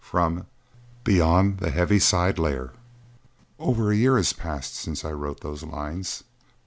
From "Beyond the Heaviside Layer." Over a year has passed since I wrote those lines.